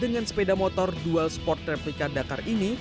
dengan sepeda motor dual sport replika dakar ini